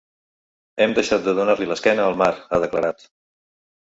“Hem deixat de donar-li l’esquena al mar”, ha declarat.